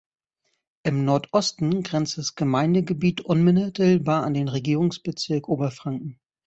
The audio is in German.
Im Nordosten grenzt das Gemeindegebiet unmittelbar an den Regierungsbezirk Oberfranken.